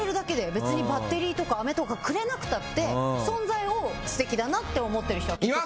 別にバッテリーとか、あめとかくれなくたって存在を素敵だなって思ってる人は。